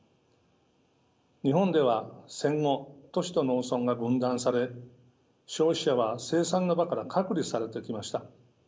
日本では戦後都市と農村が分断され消費者は生産の場から隔離されてきました。